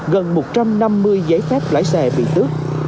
gần một trăm năm mươi giấy phép lái xe bị tước